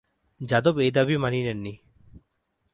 যাদব এই দাবী মানি নেন নি।